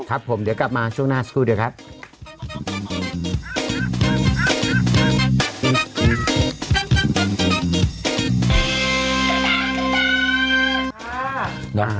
ครับผมเดี๋ยวกลับมาช่วงหน้าสักครู่เดี๋ยวครับ